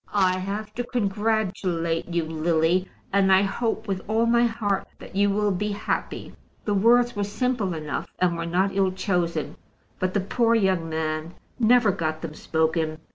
"I have to congratulate you, Lily, and I hope with all my heart that you will be happy." The words were simple enough, and were not ill chosen, but the poor young man never got them spoken.